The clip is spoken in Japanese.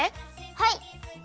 はい！